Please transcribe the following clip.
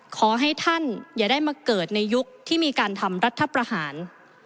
ขอให้ท่านอย่าได้มาเกิดในยุคที่มีการทำรัฐประหาร